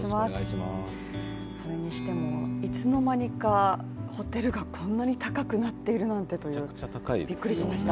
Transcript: それにしても、いつの間にかホテルがこんなに高くなっているなんてというびっくりしました。